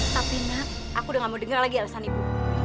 tapi nak aku udah gak mau dengar lagi alasan ibu